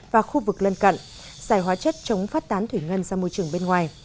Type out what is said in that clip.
và khu vực lân cận xài hóa chất chống phát tán thủy ngân sang môi trường bên ngoài